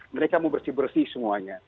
mereka mau bersih bersih semuanya